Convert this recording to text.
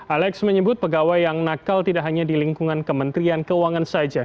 alex menyebut pegawai yang nakal tidak hanya di lingkungan kementerian keuangan saja